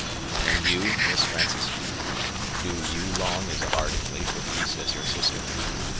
"And you, Miss Frances, do you long as ardently for peace as your sister?"